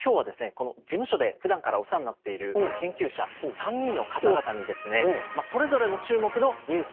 この事務所でふだんからお世話になっている研究者３人の方々にですねそれぞれの注目のニュース